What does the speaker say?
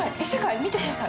見てください。